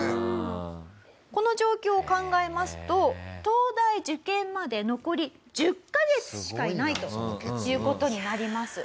この状況を考えますと東大受験まで残り１０カ月しかないという事になります。